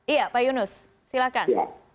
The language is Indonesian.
iya pak yunus silahkan